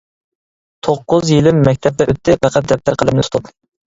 توققۇز يىلىم مەكتەپتە ئۆتتى، پەقەت دەپتەر، قەلەمنى تۇتۇپ.